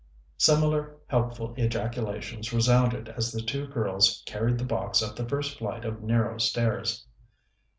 Similar helpful ejaculations resounded, as the two girls carried the box up the first flight of narrow stairs.